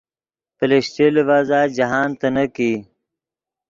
پلشچے لیڤزا جاہند تینیک ای